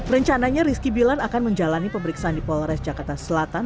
rencananya rizky bilar akan menjalani pemeriksaan di polres jakarta selatan